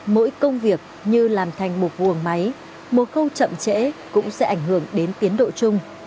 mỗi công việc như làm thành một vườn máy một câu chậm chẽ cũng sẽ ảnh hưởng đến tiến độ chung